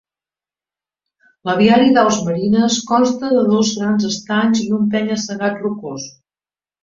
L'aviari d'aus marines consta de dos grans estanys i un penya-segat rocós.